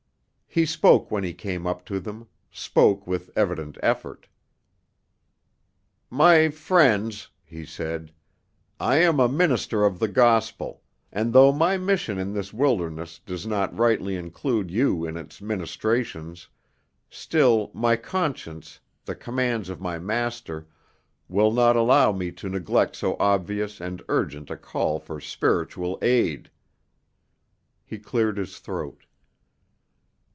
He spoke when he came up to them spoke with evident effort. "My friends," he said, "I am a minister of the gospel, and though my mission in this wilderness does not rightly include you in its ministrations, still, my conscience, the commands of my Master, will not allow me to neglect so obvious and urgent a call for spiritual aid." He cleared his throat.